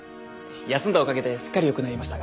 休んだおかげですっかり良くなりましたが。